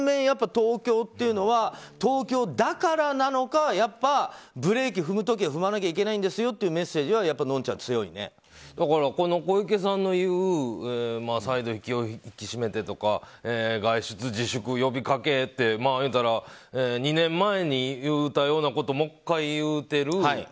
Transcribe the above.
やっぱり東京というのは東京だからなのかやっぱブレーキ踏むときは踏まなきゃいけないんですよというメッセージはだから、小池さんの言う再度、気を引き締めてとか外出自粛呼びかけって言うたら２年前に言うたようなことをもう１回言うてる。